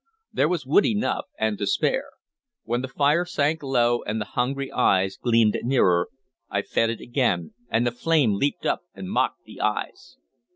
There was wood enough and to spare; when the fire sank low and the hungry eyes gleamed nearer, I fed it again, and the flame leaped up and mocked the eyes.